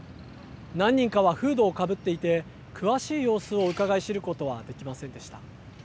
何人かはフードをかぶっていて、詳しい様子をうかがい知ることはできませんでした。